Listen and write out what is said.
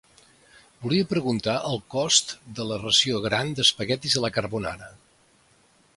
Volia preguntar el cost de la ració gran d'espaguetis a la carbonara.